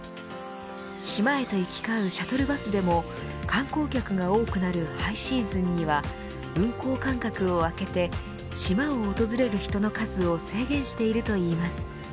島へと行き交うシャトルバスでも観光客が多くなるハイシーズンには運行間隔を開けて島を訪れる人の数を制限しているといいます。